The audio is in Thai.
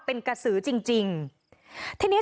ลานสาววัย๗ขวบได้